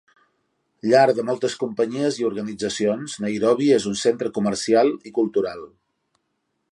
Llar de moltes companyies i organitzacions, Nairobi és un centre comercial i cultural.